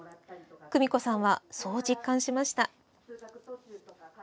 久美子さんは、そう実感しました。